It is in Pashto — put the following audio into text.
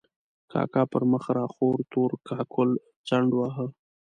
کاکا پر مخ را خور تور کاکل څنډ واهه.